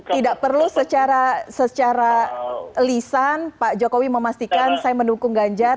tidak perlu secara lisan pak jokowi memastikan saya mendukung ganjar